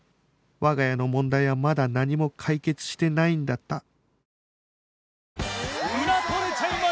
我が家の問題はまだ何も解決してないんだった